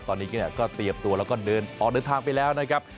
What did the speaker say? ตอนนี้ก็เตรียมตัวแล้วก็เดินออกเดินทางไปแล้วนะครับ